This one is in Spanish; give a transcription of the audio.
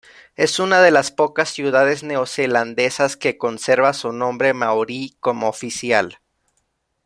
Es una de las pocas ciudades neozelandesas que conserva su nombre maorí como oficial.